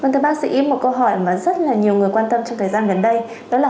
thưa bác sĩ một câu hỏi mà rất nhiều người quan tâm trong thời gian gần đây đó là